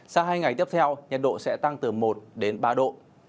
sau hai ngày tiếp theo nhật độ sẽ tăng từ một ba độ